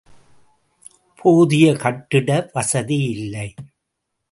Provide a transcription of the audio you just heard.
போதிய கட்டிட வசதியில்லை.